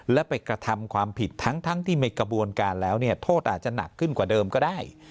และไปกระทำความผิดทั้งที่มีกระบวนการแล้วเนี่ยโทษอาจจะหนักขึ้นกว่าเดิมก็ได้